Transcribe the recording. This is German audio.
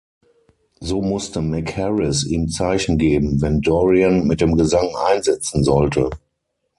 So musste Mick Harris ihm Zeichen geben, wenn Dorrian mit dem Gesang einsetzen sollte.